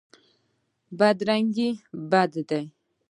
بدرنګي بد دی.